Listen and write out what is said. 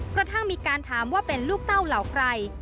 กระทั่งมีการถามว่าเป็นลูกเต้าเหล่าใคร